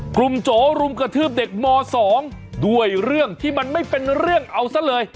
โจรุมกระทืบเด็กม๒ด้วยเรื่องที่มันไม่เป็นเรื่องเอาซะเลย